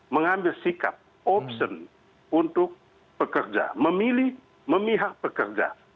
mengambil sikap opsi untuk pekerja memilih memihak pekerja